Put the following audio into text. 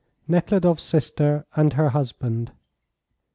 NEKHLUDOFF'S SISTER AND HER HUSBAND.